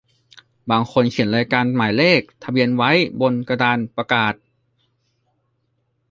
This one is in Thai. บางคนเขียนรายการหมายเลขทะเบียนไว้บนกระดานประกาศ